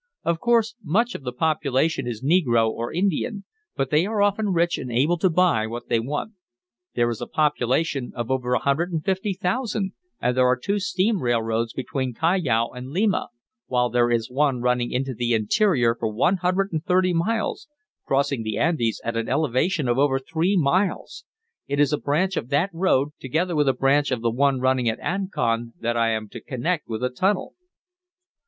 "Of course much of the population is negro or Indian, but they are often rich and able to buy what they want. There is a population of over 150,000, and there are two steam railroads between Callao and Lima, while there is one running into the interior for 130 miles, crossing the Andes at an elevation of over three miles. It is a branch of that road, together with a branch of the one running to Ancon, that I am to connect with a tunnel."